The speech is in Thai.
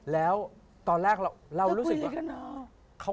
แล้วตอนแรกเรารู้สึกว่า